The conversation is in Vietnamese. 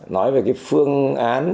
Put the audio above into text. nói về cái phương án